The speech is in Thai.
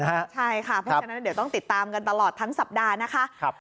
เพราะฉะนั้นจะต้องติดตามกันตลอดทั้งสัปดาห์